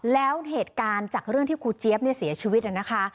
แล้วเหตุการณ์จากเรื่องที่ครูเจี๊ยบเสียชีวิตนะคะ